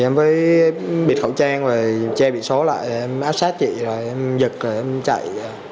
em phải bịt khẩu trang che bị số lại áp sát chị em giật em chạy